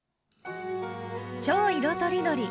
「超いろとりどり！